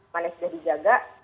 mana sudah dijaga